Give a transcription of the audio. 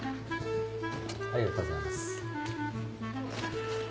ありがとうございます。